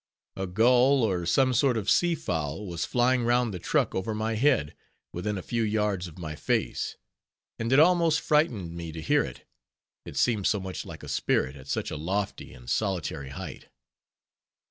A gull, or some sort of sea fowl, was flying round the truck over my head, within a few yards of my face; and it almost frightened me to hear it; it seemed so much like a spirit, at such a lofty and solitary height.